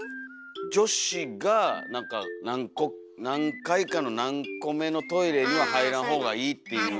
女子がなんか何階かの何個目のトイレには入らんほうがいいっていう。